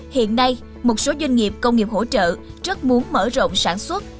hiện nay một số doanh nghiệp công nghiệp hỗ trợ rất muốn mở rộng sản xuất